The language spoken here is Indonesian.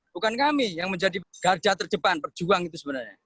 bukan kami yang menjadi garda terdepan perjuang itu sebenarnya